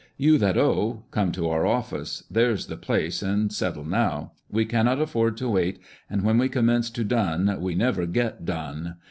You that owe come to our office, there's the place, and settle now. We cannot afford to wait, and when we commence to dun, we never get done.